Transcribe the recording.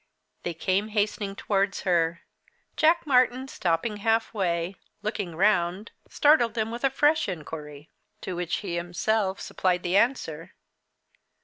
They came hastening towards her. Jack Martyn, stopping halfway, looking round, startled them with a fresh inquiry, to which he himself supplied the answer.